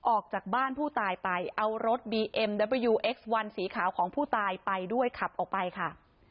ออกจากบ้านผู้ตายไปเอารถบีเอ็มดับเบอร์ยูเอ็กซ์วันสีขาวของผู้ตายไปด้วยขับออกไปค่ะ